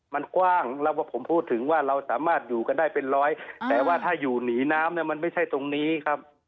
มันกว้างแล้วว่าผมพูดถึงว่าเราสามารถอยู่กันได้เป็นร้อยแต่ว่าถ้าอยู่หนีน้ำเนี่ยมันไม่ใช่ตรงนี้ครับ